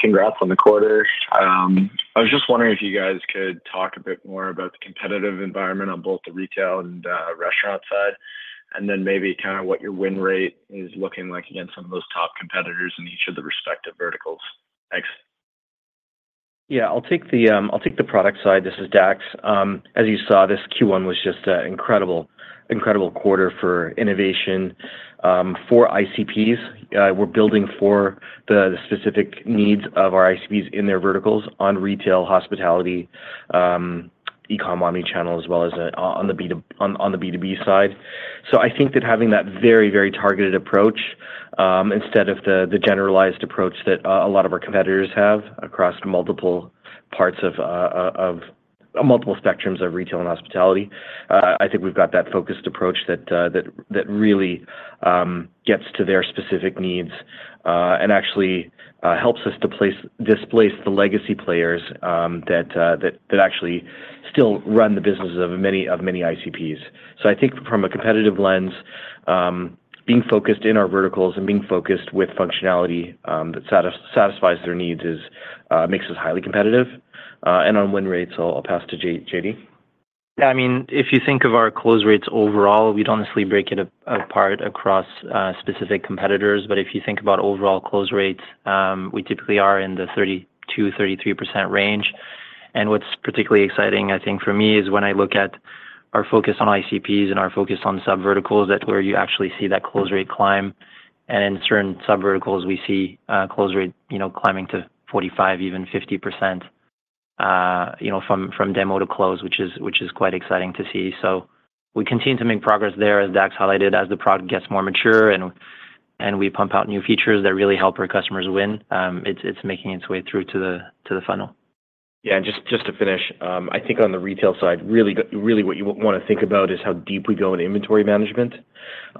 Congrats on the quarter. I was just wondering if you guys could talk a bit more about the competitive environment on both the retail and restaurant side, and then maybe kind of what your win rate is looking like against some of those top competitors in each of the respective verticals. Thanks. Yeah, I'll take the product side. This is Dax. As you saw, this Q1 was just an incredible, incredible quarter for innovation. For ICPs, we're building for the specific needs of our ICPs in their verticals on retail, hospitality, e-com, omnichannel, as well as on the B2B side. So I think that having that very, very targeted approach, instead of the generalized approach that a lot of our competitors have across multiple parts of multiple spectrums of retail and hospitality, I think we've got that focused approach that really gets to their specific needs, and actually helps us to displace the legacy players that actually still run the businesses of many ICPs. So I think from a competitive lens, being focused in our verticals and being focused with functionality that satisfies their needs is makes us highly competitive. And on win rates, I'll pass to JD. Yeah, I mean, if you think of our close rates overall, we'd honestly break it apart across specific competitors, but if you think about overall close rates, we typically are in the 32%-33% range. And what's particularly exciting, I think, for me, is when I look at our focus on ICPs and our focus on subverticals, that's where you actually see that close rate climb. And in certain subverticals, we see close rate, you know, climbing to 45%, even 50%, you know, from demo to close, which is quite exciting to see. So we continue to make progress there, as Dax highlighted, as the product gets more mature and we pump out new features that really help our customers win. It's making its way through to the funnel. Yeah, and just to finish, I think on the retail side, really what you want to think about is how deep we go in inventory management,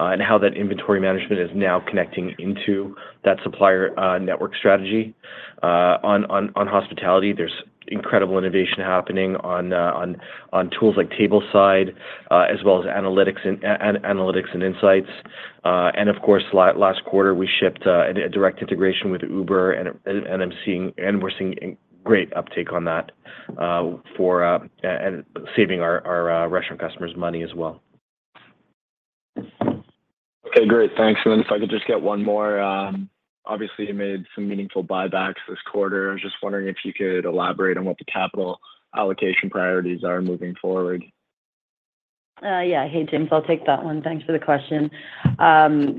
and how that inventory management is now connecting into that supplier network strategy. On hospitality, there's incredible innovation happening on tools like Tableside, as well as analytics and insights. And of course, last quarter, we shipped a direct integration with Uber, and we're seeing great uptake on that, and saving our restaurant customers money as well. Okay, great. Thanks. And then if I could just get one more. Obviously, you made some meaningful buybacks this quarter. I was just wondering if you could elaborate on what the capital allocation priorities are moving forward. Yeah. Hey, James, I'll take that one. Thanks for the question.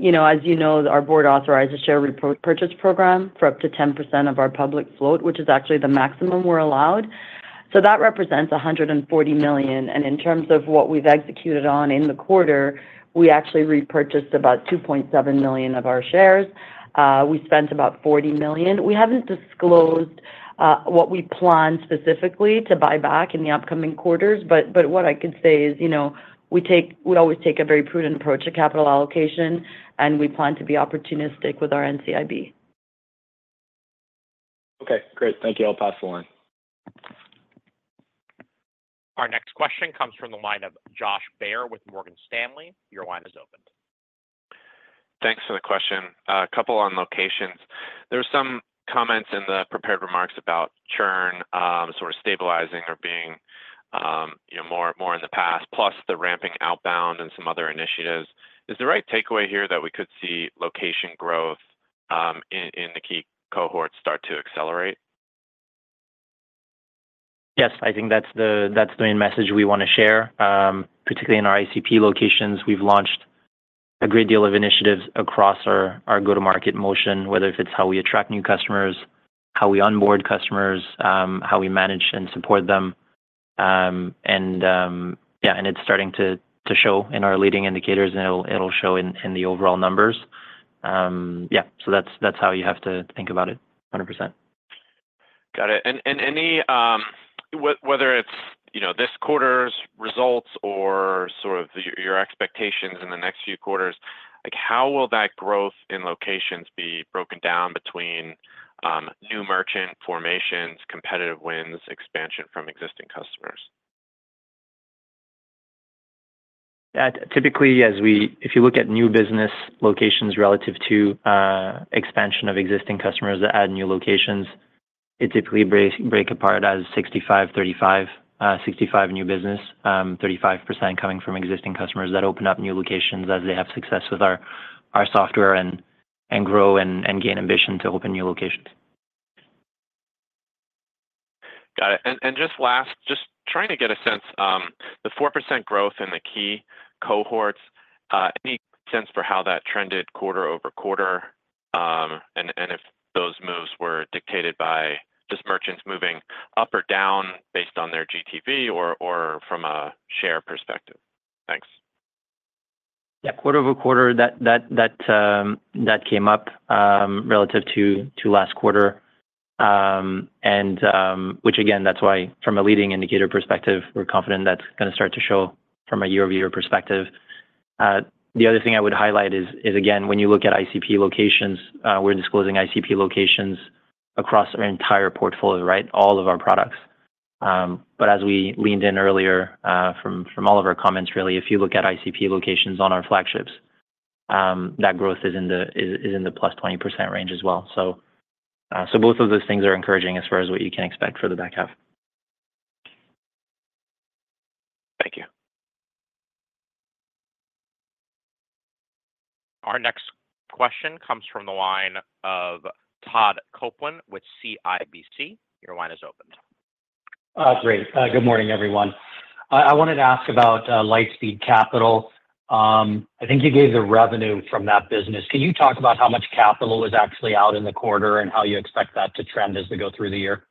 You know, as you know, our board authorized a share repurchase program for up to 10% of our public float, which is actually the maximum we're allowed. So that represents $140 million, and in terms of what we've executed on in the quarter, we actually repurchased about 2.7 million of our shares. We spent about $40 million. We haven't disclosed what we plan specifically to buy back in the upcoming quarters, but what I can say is, you know, we always take a very prudent approach to capital allocation, and we plan to be opportunistic with our NCIB. Okay, great. Thank you. I'll pass the line. Our next question comes from the line of Josh Baer with Morgan Stanley. Your line is open. Thanks for the question. A couple on locations. There were some comments in the prepared remarks about churn, sort of stabilizing or being, you know, more, more in the past, plus the ramping outbound and some other initiatives. Is the right takeaway here that we could see location growth, in, in the key cohorts start to accelerate? Yes, I think that's the, that's the main message we want to share. Particularly in our ICP locations, we've launched a great deal of initiatives across our, our go-to-market motion, whether if it's how we attract new customers, how we onboard customers, how we manage and support them. And, yeah, and it's starting to, to show in our leading indicators, and it'll, it'll show in, in the overall numbers. Yeah, so that's, that's how you have to think about it, 100%. Got it. And any, whether it's, you know, this quarter's results or sort of your expectations in the next few quarters, like, how will that growth in locations be broken down between new merchant formations, competitive wins, expansion from existing customers? Typically, as we—if you look at new business locations relative to expansion of existing customers that add new locations, it typically break apart as 65%, 35%. 65% new business, 35% coming from existing customers that open up new locations as they have success with our software and grow and gain ambition to open new locations. Got it. And just last, trying to get a sense, the 4% growth in the key cohorts, any sense for how that trended quarter-over-quarter? And if those moves were dictated by just merchants moving up or down based on their GTV or from a share perspective? Thanks. Yeah, quarter-over-quarter, that came up relative to last quarter. Which again, that's why from a leading indicator perspective, we're confident that's gonna start to show from a year-over-year perspective. The other thing I would highlight is again, when you look at ICP locations, we're disclosing ICP locations across our entire portfolio, right? All of our products. But as we leaned in earlier, from all of our comments, really, if you look at ICP locations on our flagships, that growth is in the +20% range as well. So both of those things are encouraging as far as what you can expect for the back half. Thank you. Our next question comes from the line of Todd Coupland with CIBC. Your line is open. Great. Good morning, everyone. I wanted to ask about Lightspeed Capital. I think you gave the revenue from that business. Can you talk about how much capital is actually out in the quarter, and how you expect that to trend as we go through the year?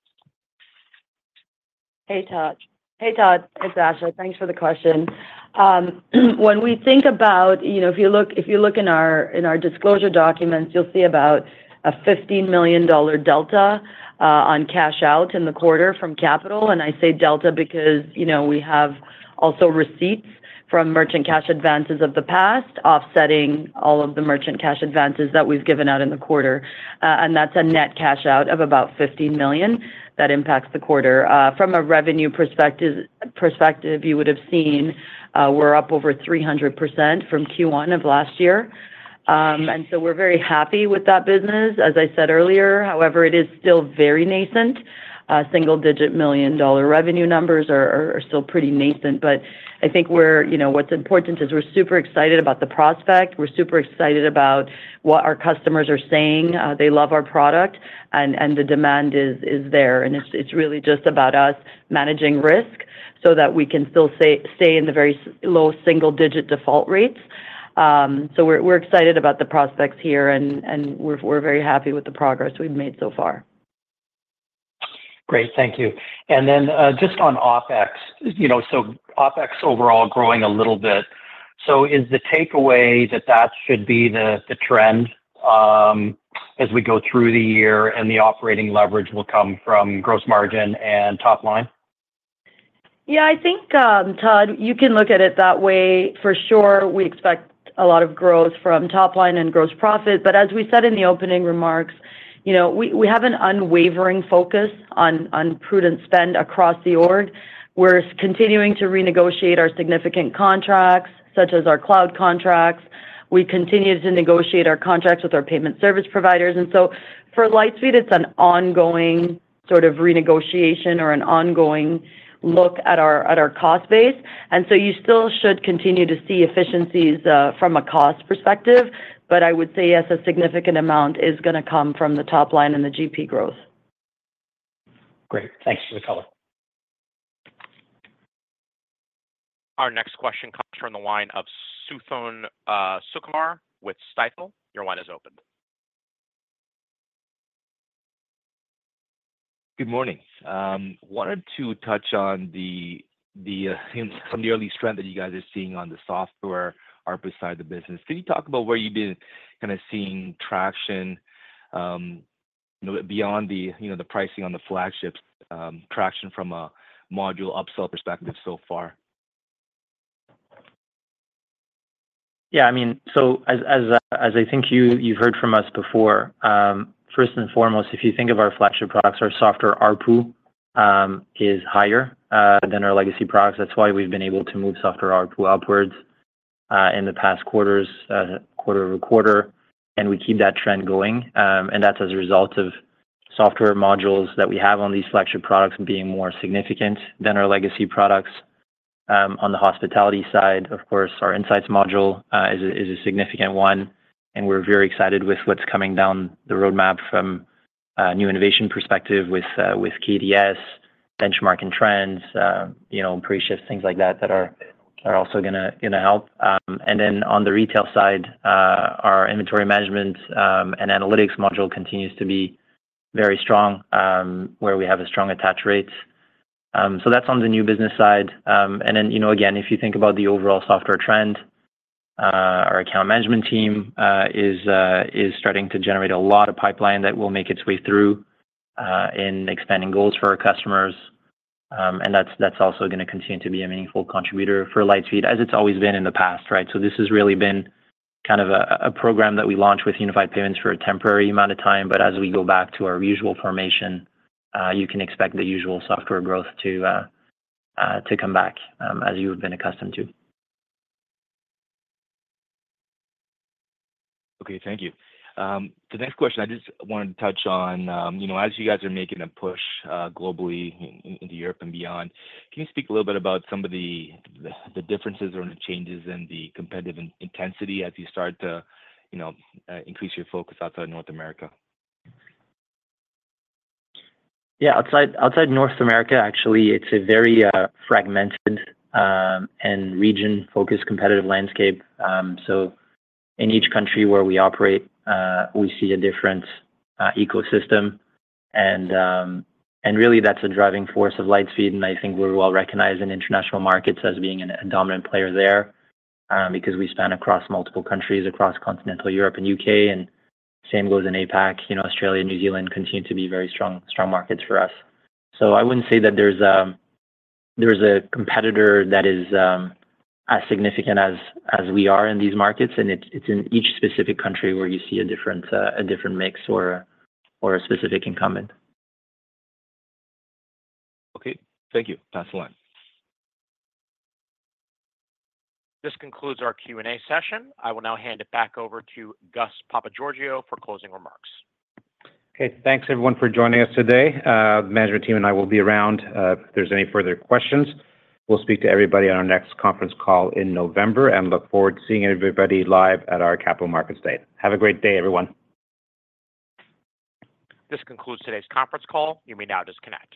Hey, Todd. Hey, Todd, it's Asha. Thanks for the question. When we think about—you know, if you look, if you look in our, in our disclosure documents, you'll see about a $15 million delta on cash out in the quarter from capital. And I say delta because, you know, we have also receipts from merchant cash advances of the past, offsetting all of the merchant cash advances that we've given out in the quarter. And that's a net cash out of about $15 million that impacts the quarter. From a revenue perspective, you would have seen, we're up over 300% from Q1 of last year. And so we're very happy with that business. As I said earlier, however, it is still very nascent. Single-digit million-dollar revenue numbers are still pretty nascent, but I think we're... You know, what's important is we're super excited about the prospect, we're super excited about what our customers are saying. They love our product, and the demand is there, and it's really just about us managing risk so that we can still stay in the very low single-digit default rates. So we're excited about the prospects here, and we're very happy with the progress we've made so far. Great. Thank you. And then, just on OpEx. You know, so OpEx overall growing a little bit. So is the takeaway that that should be the, the trend, as we go through the year, and the operating leverage will come from gross margin and top line? Yeah, I think, Todd, you can look at it that way. For sure, we expect a lot of growth from top line and gross profit, but as we said in the opening remarks, you know, we, we have an unwavering focus on, on prudent spend across the org. We're continuing to renegotiate our significant contracts, such as our cloud contracts. We continue to negotiate our contracts with our payment service providers, and so for Lightspeed, it's an ongoing sort of renegotiation or an ongoing look at our, at our cost base. And so you still should continue to see efficiencies, from a cost perspective, but I would say, yes, a significant amount is gonna come from the top line and the GP growth. Great. Thanks for the color. Our next question comes from the line of Suthan Sukumar with Stifel. Your line is open. Good morning. Wanted to touch on some of the early strength that you guys are seeing on the SaaS side of the business. Can you talk about where you've been kind of seeing traction, you know, beyond the, you know, the pricing on the flagships, traction from a module upsell perspective so far? Yeah, I mean, so as I think you've heard from us before, first and foremost, if you think of our flagship products, our software ARPU is higher than our legacy products. That's why we've been able to move software ARPU upwards in the past quarters quarter-over-quarter, and we keep that trend going. And that's as a result of software modules that we have on these flagship products being more significant than our legacy products. On the hospitality side, of course, our insights module is a significant one, and we're very excited with what's coming down the roadmap from a new innovation perspective with KDS, Benchmark and Trends, you know, preshift, things like that, that are also gonna help. And then on the retail side, our inventory management and analytics module continues to be very strong, where we have a strong attach rate. So that's on the new business side. And then, you know, again, if you think about the overall software trend, our account management team is starting to generate a lot of pipeline that will make its way through in expanding goals for our customers. And that's also gonna continue to be a meaningful contributor for Lightspeed, as it's always been in the past, right? So this has really been kind of a program that we launched with Unified Payments for a temporary amount of time, but as we go back to our usual formation, you can expect the usual software growth to come back, as you've been accustomed to. Okay, thank you. The next question, I just wanted to touch on, you know, as you guys are making a push globally in Europe and beyond, can you speak a little bit about some of the differences or the changes in the competitive intensity as you start to, you know, increase your focus outside North America? Yeah. Outside North America, actually, it's a very fragmented and region-focused competitive landscape. So in each country where we operate, we see a different ecosystem, and really that's a driving force of Lightspeed, and I think we're well recognized in international markets as being a dominant player there, because we span across multiple countries, across Continental Europe and U.K., and same goes in APAC. You know, Australia and New Zealand continue to be very strong markets for us. So I wouldn't say that there's a competitor that is as significant as we are in these markets, and it's in each specific country where you see a different mix or a specific incumbent. Okay. Thank you. That's the one. This concludes our Q&A session. I will now hand it back over to Gus Papageorgiou for closing remarks. Okay. Thanks, everyone, for joining us today. The management team and I will be around, if there's any further questions. We'll speak to everybody on our next conference call in November, and look forward to seeing everybody live at our Capital Markets Day. Have a great day, everyone. This concludes today's conference call. You may now disconnect.